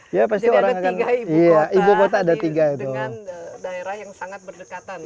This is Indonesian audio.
jadi ada tiga ibu kota dengan daerah yang sangat berdekatan